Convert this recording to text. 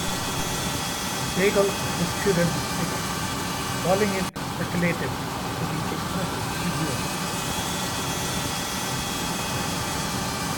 Sehgal disputed this figure, calling it "speculative" to the "Express Tribune".